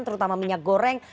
terutama minyak goreng